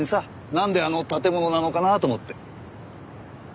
なんであの建物なのかなと思って。